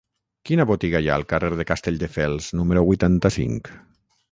Quina botiga hi ha al carrer de Castelldefels número vuitanta-cinc?